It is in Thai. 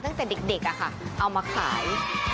ตั้งแต่เด็กเอามาขาย